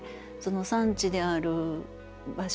産地である場所